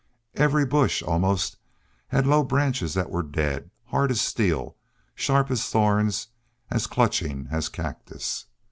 Every bush, almost, had low branches that were dead, hard as steel, sharp as thorns, as clutching as cactus.